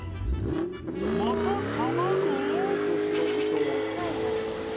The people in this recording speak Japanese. ［また卵！？］